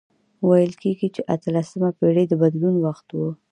ویل کیږي چې اتلسمه پېړۍ د بدلون وخت و.